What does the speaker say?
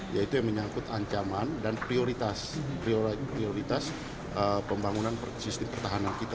yaitu yang menyangkut ancaman dan prioritas pembangunan sistem pertahanan kita